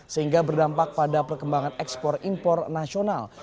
sehingga berdampak pada perkembangan ekspor impor nasional